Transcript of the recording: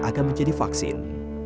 aikman akan menjadi vaksin